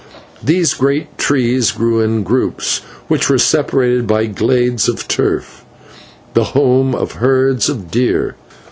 These great trees grew in groups, which were separated by glades of turf, the home of herds of deer.